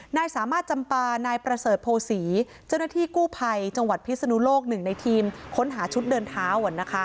นายสามารถจำปานายประเสริฐโภษีเจ้าหน้าที่กู้ภัยจังหวัดพิศนุโลกหนึ่งในทีมค้นหาชุดเดินเท้า